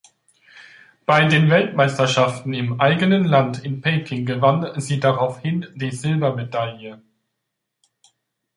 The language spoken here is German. Bei den Weltmeisterschaften im eigenen Land in Peking gewann sie daraufhin die Silbermedaille.